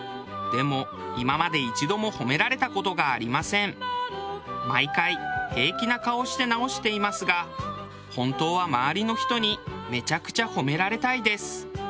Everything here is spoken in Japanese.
でも今まで一度も褒められた事がありません。毎回平気な顔して直していますが本当は周りの人にめちゃくちゃ褒められたいです。